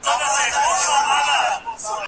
ذهني فشار د زړه درزا چټکوي.